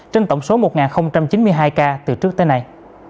trên tổng số một chín mươi hai ca từ trước tới nay